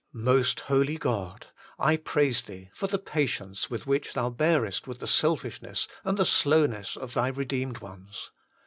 Most holy God ! I praise Thee for the patience with which Thou bearest with the selfishness and the slowness of Thy redeemed ones.